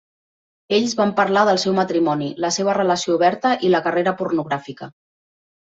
Ells van parlar del seu matrimoni, la seva relació oberta i la carrera pornogràfica.